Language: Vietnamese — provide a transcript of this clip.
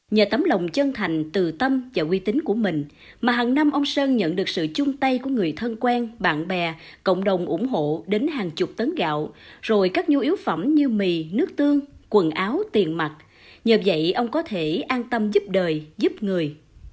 nhờ tấm lòng chân thành từ tâm và quy tính của mình mà hằng năm ông sơn nhận được sự chung tay của người thân quen bạn bè cộng đồng ủng hộ đến hàng chục tấn gạo rồi các nhu yếu phẩm như mì nước tương quần áo tiền mặt nhờ vậy ông có thể an tâm giúp đời giúp người